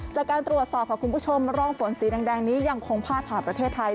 จากการตรวจสอบค่ะคุณผู้ชมร่องฝนสีแดงนี้ยังคงพาดผ่านประเทศไทย